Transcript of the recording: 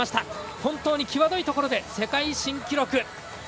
本当に際どいところで世界新記録。